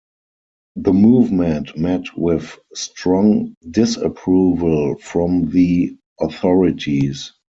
The movement met with strong disapproval from the authorities.